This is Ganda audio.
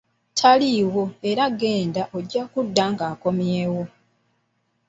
Taliiwo era genda ojja kudda ng'akomyewo